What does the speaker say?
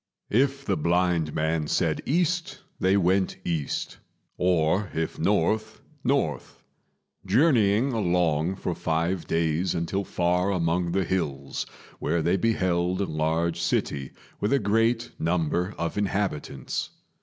If the blind man said east, they went east; or if north, north; journeying along for five days until far among the hills, where they beheld a large city with a great number of inhabitants.